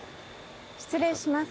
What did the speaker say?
失礼します。